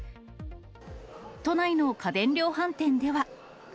都内の家電量販店では。